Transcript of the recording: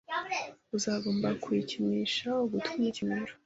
Uzagomba kuyikinisha ugutwi mukiganiro